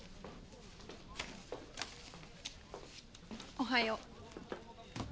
おはよう。